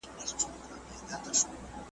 ماته تر لحده خپل نصیب قفس لیکلی دی .